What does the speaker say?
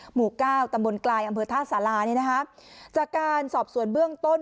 หมู่เก้าตำบลกลายอำเภอท่าสาราเนี่ยนะคะจากการสอบสวนเบื้องต้น